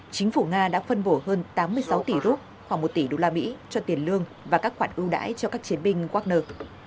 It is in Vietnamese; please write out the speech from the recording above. chính phủ nga đã phân bổ hơn tám mươi sáu tỷ rút khoảng một tỷ usd cho tiền lương và các khoản ưu đãi cho các chiến binh wagner